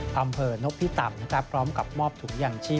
ทำเผลอนกพิต่ำกร้องกับมอบถุงยังชีพ